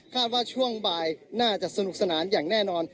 ว่าช่วงบ่ายน่าจะสนุกสนานอย่างแน่นอน